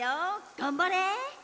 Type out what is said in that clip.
がんばれ！